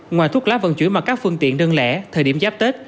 ngoài thuốc lá vận chuyển mà các phương tiện đơn lẻ thời điểm giáp tết